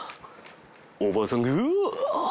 「おばあさんがあ」